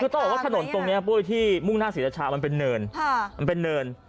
คือต้องบอกว่าถนนตรงนี้ที่มุ่งหน้าศรีรชามันเป็นเนิน